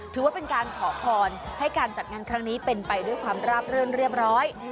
ถือว่าเป็นการขอพรให้การจัดงานครั้งนี้เป็นไปด้วยความราบรื่นเรียบร้อย